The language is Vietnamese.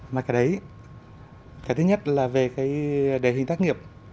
mà cái đấy cái thứ nhất là về cái đề hình tác nghiệp